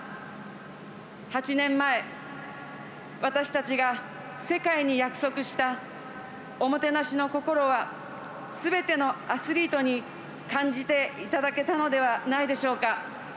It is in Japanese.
８年前、私たちが世界に約束したおもてなしの心はすべてのアスリートに感じていただけたのではないでしょうか。